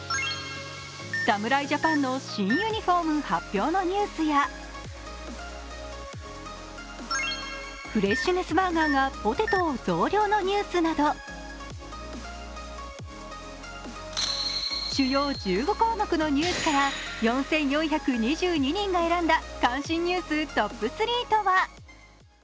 侍ジャパンの新ユニフォーム発表のニュースやフレッシュネスバーガーがポテトを増量のニュースなど主要１５項目のニュースから４４２２人が選んだ関心ニューストップ３とは？